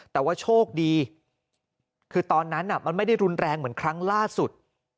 แต่ว่าโชคดีคือตอนนั้นมันไม่ได้รุนแรงเหมือนครั้งล่าสุด